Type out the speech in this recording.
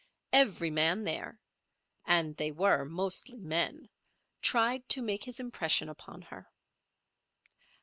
Every man there—and they were mostly men—tried to make his impression upon her.